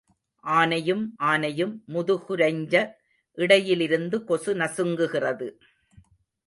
ஆனையும் ஆனையும் முதுகுரைஞ்ச இடையிலிருந்து கொசு நசுங்குகிறது.